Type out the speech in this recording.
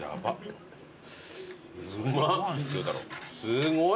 すごい。